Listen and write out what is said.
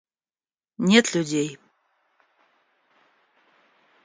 Нет людей.